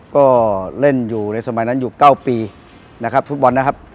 ก็เล่นอยู่ในสมัยนั้นอยู่๙ปีนะครับฟุตบอลนะครับ